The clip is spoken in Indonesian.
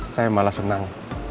saya malah senang